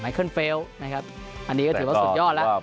ไมคลเฟลอันนี้ก็ถือว่าสุดยอดแล้ว